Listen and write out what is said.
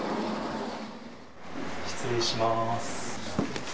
失礼します。